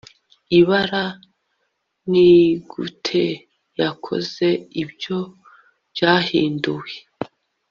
ibara. nigute yakoze ibyo byahinduwe